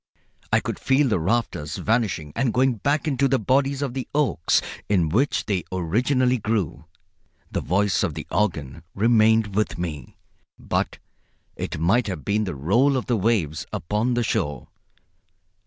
I could feel the rafters vanishing and going back into the bodies of the oaks in which they originally grew. The voice of the organ remained with me, but it might have been the roll of the waves upon the shore.